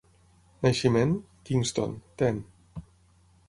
Naixement: Kingston, Tenn.